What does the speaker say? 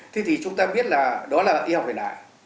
thế thì chúng ta biết là đó là y học hiện đại